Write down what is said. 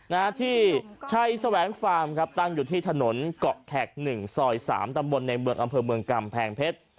นะฮะที่ชัยแสวงฟาร์มครับตั้งอยู่ที่ถนนเกาะแขกหนึ่งซอยสามตำบลในเมืองอำเภอเมืองกำแพงเพชร